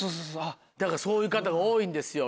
だからそういう方が多いんですよ